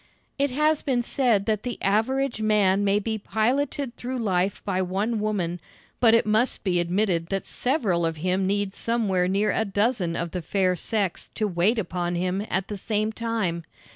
It has been said that the average man may be piloted through life by one woman, but it must be admitted that several of him need somewhere near a dozen of the fair sex to wait upon him at the same time.